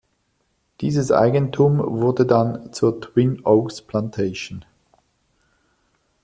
Dieses Eigentum wurde dann zur Twin Oaks Plantation.